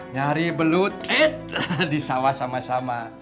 nyari belut eh di sawah sama sama